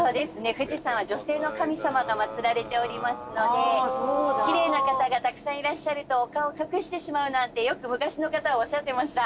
富士山は女性の神様が祭られおりますのできれいな方がたくさんいらっしゃるとお顔を隠してしまうなんてよく昔の方はおっしゃってました。